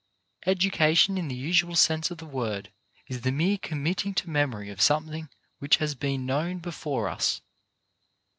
Education in the usual sense of the word is the mere committing to memory of something which has been known before us.